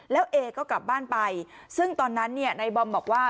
แล้วเอก็กลับบ้านไปซึ่งตอนนั้นเนี่ยนายบอมบอกว่า